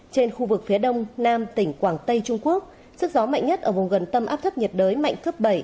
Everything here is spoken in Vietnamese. trên khu vực phía đông nam tỉnh quảng tây trung quốc sức gió mạnh nhất ở vùng gần tâm áp thấp nhiệt đới mạnh cấp bảy